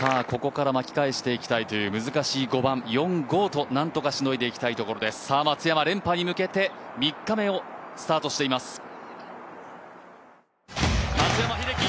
ここから巻き返していきたいという難しい５番４、５となんとかしのいでいきたい松山、連覇に向けて３日目をスタートしています。